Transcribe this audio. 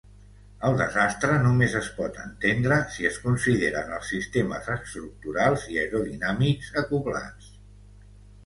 El desastre només es pot entendre si es consideren els sistemes estructurals i aerodinàmics acoblats.